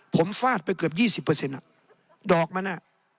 ผมฟาดไปเกือบ๒๐ดอกมัน